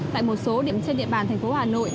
tại một số điểm trên địa bàn thành phố hà nội